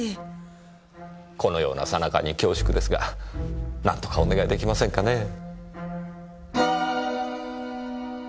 このような最中に恐縮ですが何とかお願いできませんかねぇ？